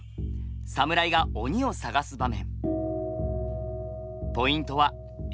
侍が鬼を探す場面。